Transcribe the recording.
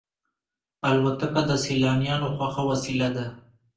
الوتکه د سیلانیانو خوښه وسیله ده.